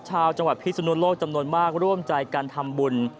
ชาวจังหวัดพิศนุโลกจำนวนมากร่วมใจการทำบุญ